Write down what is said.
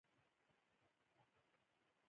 • بخار ماشین د صنعتي انقلاب نښه ده.